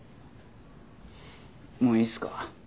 もういいっすか？